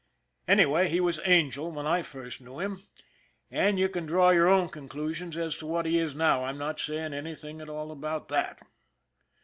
Anyway, he was " Angel " when I first knew him, and you can draw your own conclusions as to what he is now I'm not saying anything at all about that.